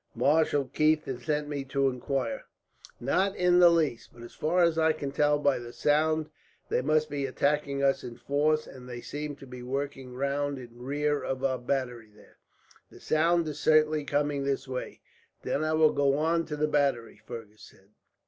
"Marshal Keith has sent me to inquire." "Not in the least; but as far as I can tell by the sound, they must be attacking us in force, and they seem to be working round in rear of our battery there. The sound is certainly coming this way." "Then I will go on to the battery," Fergus said.